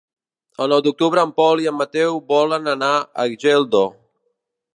El nou d'octubre en Pol i en Mateu volen anar a Geldo.